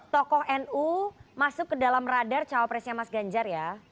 tokoh nu masuk ke dalam radar cawapresnya mas ganjar ya